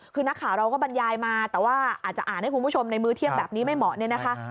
คือนักข่าวเราก็บรรยายมาแต่ว่าอาจจะอ่านให้คุณผู้ชมในมื้อเที่ยงแบบนี้ไม่เหมาะเนี่ยนะคะ